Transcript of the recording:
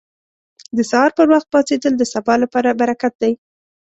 • د سهار پر وخت پاڅېدل د سبا لپاره برکت دی.